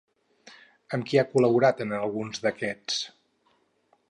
Amb qui ha col·laborat en alguns d'aquests?